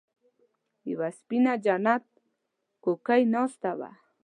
يوه سپينه جنت کوکۍ ناسته وه.